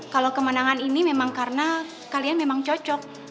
kalau kemenangan ini memang karena kalian memang cocok